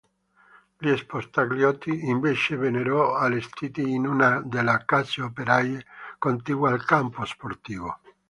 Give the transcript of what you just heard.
Gli spogliatoi invece vennero allestiti in una delle Case Operaie contigue al campo sportivo.